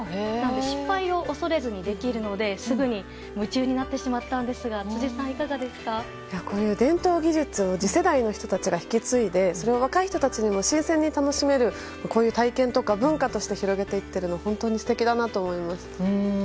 失敗を恐れずにできるのですぐに夢中になってしまったんですがこういう伝統技術を次世代の人たちが引き継いで、それを若い人たちが新鮮に楽しめるこういう体験とか、文化として広げていっているのが本当に素敵だなと思います。